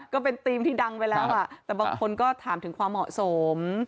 ก็เป็นธีมที่ดังไปแล้วแต่บางคนก็ถามถึงความเหมาะสม